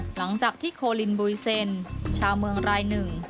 หลังจากที่โคลินบุยเซนชาวเมืองรายหนึ่ง